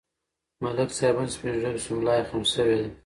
ملک صاحب هم سپین ږیری شو، ملایې خم شوې ده.